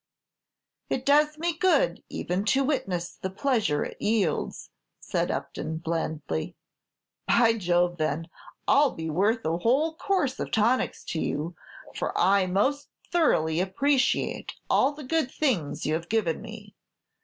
"It does me good even to witness the pleasure it yields," said Upton, blandly. "By Jove! then, I 'll be worth a whole course of tonics to you, for I most thoroughly appreciate all the good things you have given me.